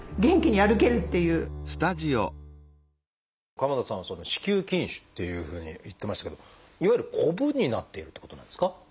鎌田さんは「子宮筋腫」っていうふうに言ってましたけどいわゆるコブになっているってことなんですか？